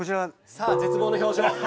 さあ絶望の表情。